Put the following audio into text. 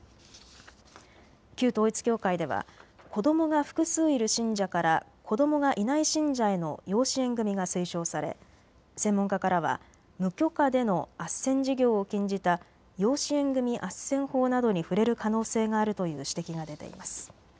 旧統一教会では子どもが複数いる信者から子どもがいない信者への養子縁組みが推奨され専門家からは無許可でのあっせん事業を禁じた養子縁組あっせん法などに触れる可能性があるという指摘が出ています。